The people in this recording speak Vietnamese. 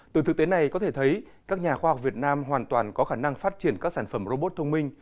từ thực tế này có thể thấy các nhà khoa học việt nam hoàn toàn có khả năng phát triển các sản phẩm robot thông minh